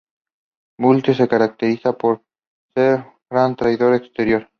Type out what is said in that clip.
Butler se caracteriza por ser un gran tirador exterior.